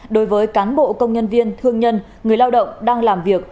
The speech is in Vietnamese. đối với cán bộ công nhân viên thương nhân người lao động đang làm việc